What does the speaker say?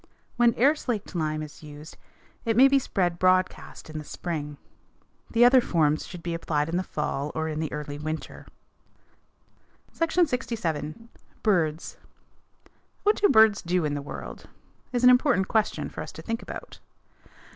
When air slaked lime is used it may be spread broadcast in the spring; the other forms should be applied in the fall or in the early winter. SECTION LXVII. BIRDS What do birds do in the world? is an important question for us to think about.